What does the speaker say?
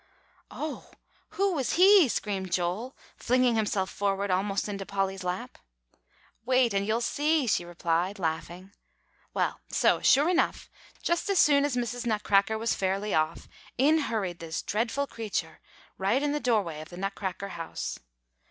'" "Oh! who was he?" screamed Joel, flinging himself forward almost into Polly's lap. "Wait, and you'll see," she replied, laughing. "Well, so, sure enough, just as soon as Mrs. Nutcracker was fairly off, in hurried this dreadful creature, right in the doorway of the Nutcracker house."